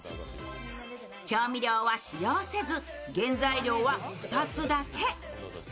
調味料は使用せず原材料は２つだけ。